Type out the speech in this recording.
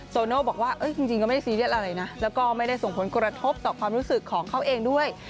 โน่บอกว่าจริงก็ไม่ได้ซีเรียสอะไรนะแล้วก็ไม่ได้ส่งผลกระทบต่อความรู้สึกของเขาเองด้วย